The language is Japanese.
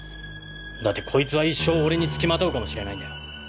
だってこいつは一生俺に付きまとうかもしれないんだよ？